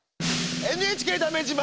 「ＮＨＫだめ自慢」